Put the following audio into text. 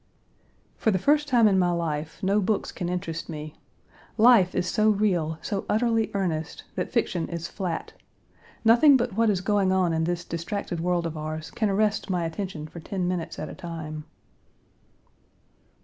For the first time in my life no books can interest me. Life is so real, so utterly earnest, that fiction is flat. Nothing but what is going on in this distracted world of ours can arrest my attention for ten minutes at a time.